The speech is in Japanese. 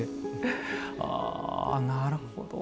あなるほど。